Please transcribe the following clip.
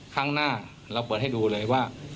ครั้งหน้าเราเปิดให้ดูเลยว่า